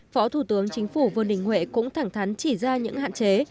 phó thủ tướng chính phủ vương đình huệ cũng thẳng thắn chỉ ra những hạn chế